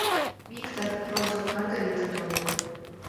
Виктор, Розов, Маргарита толыт.